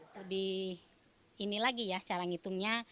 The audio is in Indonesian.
jadi ini lagi ya cara ngitungnya